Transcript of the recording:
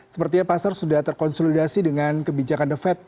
sepertinya pasar sudah terkonsolidasi dengan kebijakan the fed